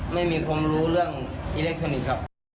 ไม่มีความรู้เรื่องอิเล็กทรอนิกส์ครับ